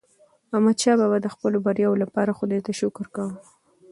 احمدشاه بابا د خپلو بریاوو لپاره خداي ته شکر کاوه.